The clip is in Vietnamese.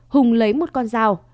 hùng lấy một con dao